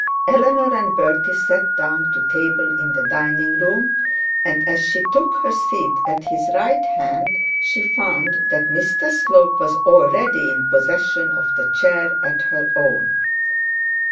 Eleanor and Bertie sat down to table in the dining room; and as she took her seat at his right hand, she found that Mr Slope was already in possession of the chair at her own.